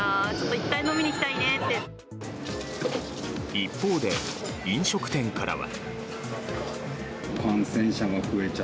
一方で、飲食店からは。